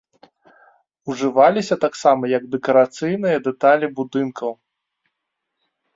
Ужываліся таксама як дэкарацыйныя дэталі будынкаў.